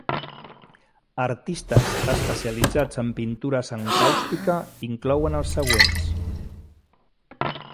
Artistes especialitzats en pintures encàustica inclouen els següents: